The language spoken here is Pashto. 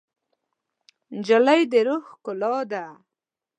نجلۍ د روح ښکلا ده.